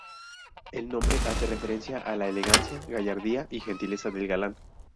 El nombre hace referencia a la elegancia, gallardía y gentileza del galán.